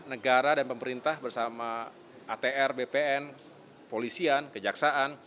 negara dan pemerintah bersama atr bpn polisian kejaksaan